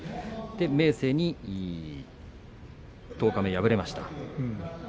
明生に十日目、敗れました。